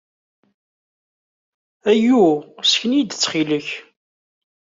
Ayu! Sken-iyi-d, ttxil-k!